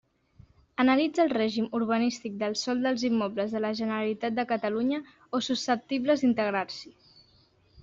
Analitza el règim urbanístic del sòl dels immobles de la Generalitat de Catalunya o susceptibles d'integrar-s'hi.